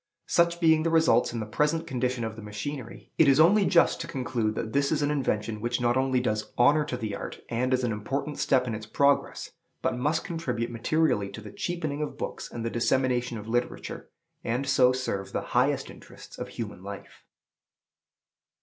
Such being the results in the present condition of the machinery, it is only just to conclude that this is an invention which not only does honor to the art, and is an important step in its progress, but must contribute materially to the cheapening of books and the dissemination of literature, and so serve the highest interests of human life.